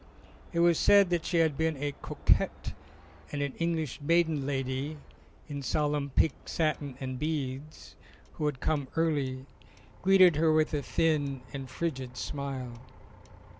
It was said that she had been a cocotte, and an English maiden lady (in salmon pink satin and beads) who had come early, greeted her with a thin and frigid smile.